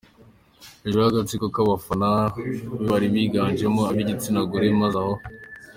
hejuru yagatsiko kabafana be bari biganjemo abigitsinagore maze aho.